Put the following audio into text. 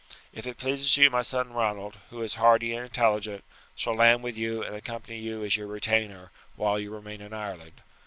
If it pleases you my son Ronald, who is hardy and intelligent, shall land with you and accompany you as your retainer while you remain in Ireland.